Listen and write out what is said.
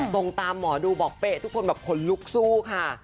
ตามหมอดูบอกเป๊ะทุกคนแบบขนลุกสู้ค่ะ